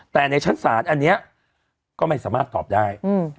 แต่ในชั้นศาลอันนี้ก็ไม่สามารถตอบได้